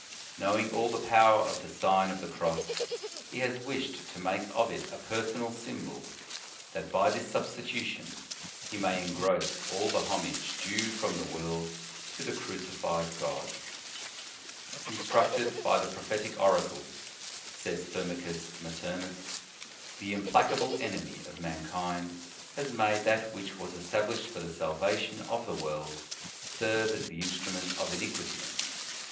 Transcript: Knowing all the power of the Sign of the Cross, he has wished to make of it a personal symbol, that by this substitution he may engross all the homage due from the world to the Crucified God. * De prescript. In the Nineteenth Century. 127 " Instructed by the prophetic oracles," says Firmicus Maternus, " the implacable enemy of mankind has made that which was estab lished for the salvation of the world, serve as the instrument of iniquity.